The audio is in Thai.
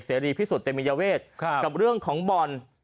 เสรีพิสุทธิ์เตมียเวทกับเรื่องของบอล